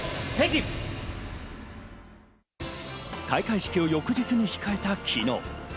開会式を翌日に控えた昨日。